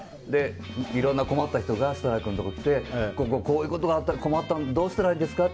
いろんな困った人が設楽君のところに来てこういうことがあって困ったんですけどどうしたらいいですか？